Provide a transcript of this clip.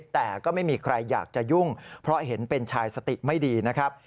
แต่ก็ไม่มีใครอยากจะยุ่งเพราะเห็นเป็นชายสติไม่ดีนะครับ